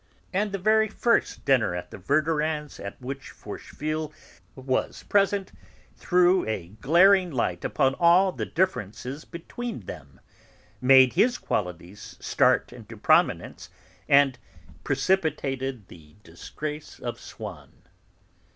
And the very first dinner at the Verdurins' at which Forcheville was present threw a glaring light upon all the differences between them, made his qualities start into prominence and precipitated the disgrace of Swann.